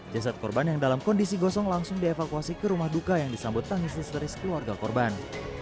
jasad korban yang dalam kondisi gosong langsung dievakuasi ke rumah duka yang disambut tangis histeris keluarga korban